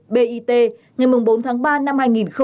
bit ngày bốn tháng ba năm hai nghìn hai mươi